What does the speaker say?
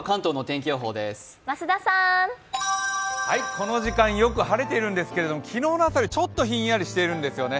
この時間、よく晴れているんですけれども、昨日の朝よりちょっとひんやりしているんですよね。